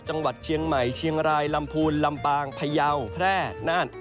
จังหวัดเชียงใหม่เชียงรายลำพูนลำปางพยาวแพร่น่าน